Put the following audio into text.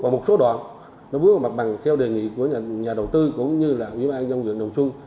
và một số đoạn nó vướng vào mặt bằng theo đề nghị của nhà đầu tư cũng như là ủy ban dân dựng đồng xuân